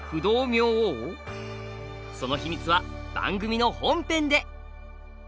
そのヒミツは番組の本編で！